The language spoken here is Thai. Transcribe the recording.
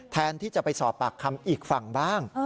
แทนที่จะไปสอบปากคำอีกฝั่งบ้าง